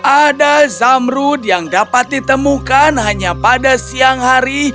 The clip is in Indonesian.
ada zamrud yang dapat ditemukan hanya pada siang hari